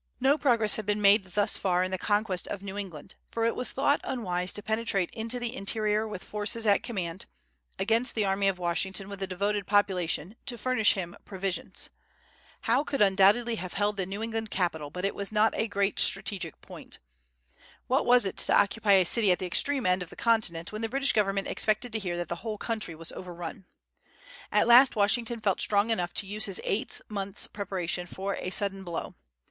No progress had been made thus far in the conquest of New England, for it was thought unwise to penetrate into the interior with the forces at command, against the army of Washington with a devoted population to furnish him provisions. Howe could undoubtedly have held the New England capital, but it was not a great strategic point. What was it to occupy a city at the extreme end of the continent, when the British government expected to hear that the whole country was overrun? At last Washington felt strong enough to use his eight months' preparations for a sudden blow.